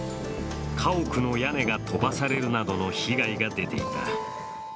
家屋の屋根が飛ばされるなどの被害が出ていた。